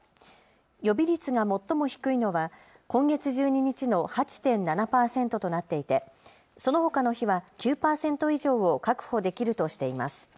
予備率が最も低いのは今月１２日の８．７％となっていて、そのほかの日は９％以上を確保できるとしています。